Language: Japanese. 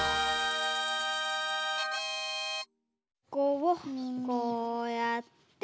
ここをこうやって。